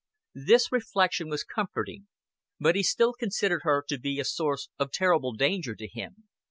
This reflection was comforting, but he still considered her to be a source of terrible danger to him.